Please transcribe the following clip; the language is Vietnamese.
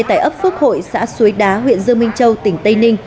tại ấp phước hội xã suối đá huyện dương minh châu tỉnh tây ninh